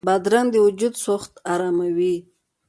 بادرنګ د وجود سوخت اراموي.